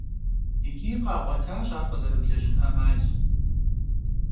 Yiç'i khağuetaş ar khızerıblejın 'emal.